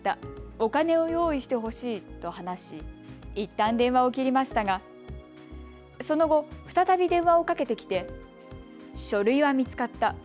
お金を用意してほしいと話しいったん電話を切りましたがその後、再び電話をかけてきて書類は見つかった。